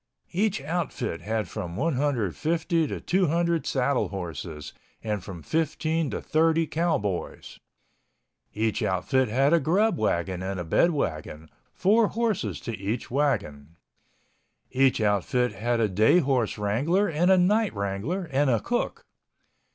Each outfit had from 150 to 200 saddle horses and from 15 to 30 cowboys. Each outfit had a grub wagon and a bedwagon, four horses to each wagon. Each outfit had a day horse wrangler and a night wrangler and a cook.